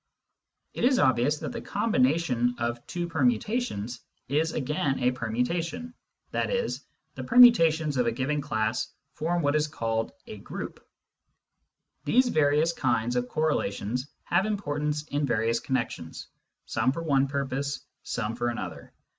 It is obvious that the combination of two permu tations is again a permutation, i.e. the permutations of a given class form what is called a " group." These various kinds of correlations have importance in various connections, some for one purpose, some for another.